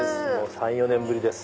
３４年ぶりです。